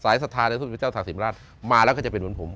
สายสถาเดิมสมเด็จเจ้าตักศิรมหาราชมาแล้วก็จะเป็นเหมือนผม